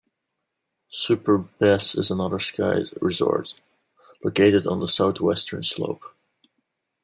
Super-Besse is another ski resort, located on the southwestern slope.